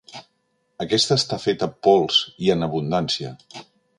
Aquesta està feta pols i en abundància.